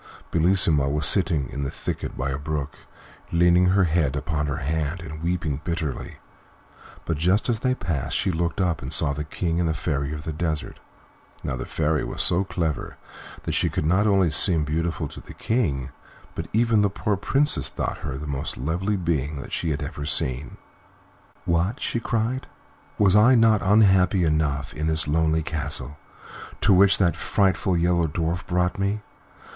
Bellissima was sitting in a little thicket by a brook, leaning her head upon her hand and weeping bitterly, but just as they passed she looked up and saw the King and the Fairy of the Desert. Now, the Fairy was so clever that she could not only seem beautiful to the King, but even the poor Princess thought her the most lovely being she had ever seen. "What!" she cried; "was I not unhappy enough in this lonely castle to which that frightful Yellow Dwarf brought me?